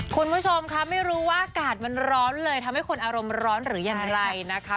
คุณผู้ชมค่ะไม่รู้ว่าอากาศมันร้อนเลยทำให้คนอารมณ์ร้อนหรืออย่างไรนะคะ